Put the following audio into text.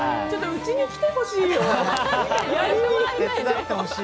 ちょっと、うちに来てほしいよ。